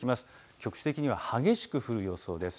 局地的には激しく降る予想です。